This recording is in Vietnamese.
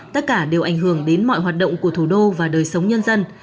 tất cả đều ảnh hưởng đến mọi hoạt động của thủ đô và đời sống nhân dân